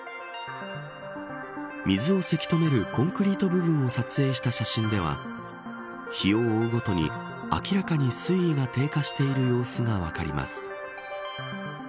水をせき止めるコンクリート部分を撮影した写真では日を追うごとに明らかに水位が低下している様子が分かります。